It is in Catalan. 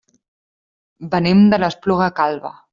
Venim de l'Espluga Calba.